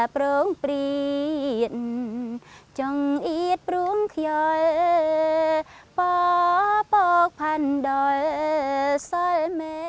bố bố thành đồi xóa mệt ai chạy